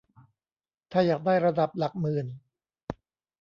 ถ้าอยากได้ระดับหลักหมื่น